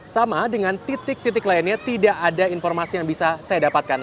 sama dengan titik titik lainnya tidak ada informasi yang bisa saya dapatkan